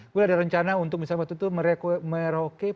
kemudian ada rencana untuk misalnya waktu itu mereke put estate ya